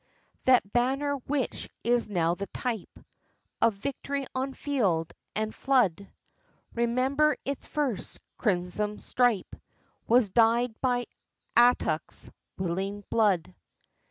That Banner which is now the type Of victory on field and flood Remember, its first crimson stripe Was dyed by Attucks' willing blood.